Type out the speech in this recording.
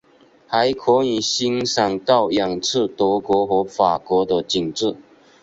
还可以欣赏到远处德国和法国的景致。